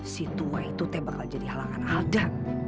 si tua itu teh bakal jadi halangan alda